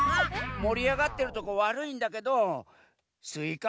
もりあがってるとこわるいんだけどスイカ